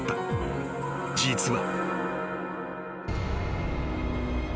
［実は］